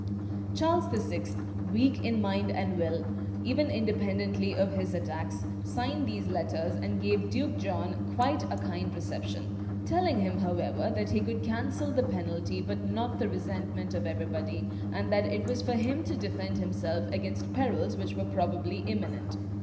Charles VI., weak in mind and will, even independently of his attacks, signed these letters, and gave Duke John quite a kind reception, telling him, however, that "he could cancel the penalty, but not the resentment of everybody, and that it was for him to defend himself against perils which were probably imminent."